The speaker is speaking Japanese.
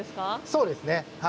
そうですねはい。